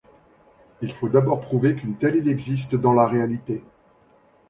Il faut d'abord prouver qu'une telle île existe dans la réalité.